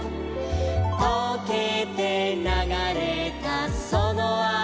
「とけてながれたそのあとに」